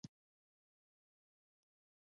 کمپیوټر یوازې صفر او یو ته اړتیا لري.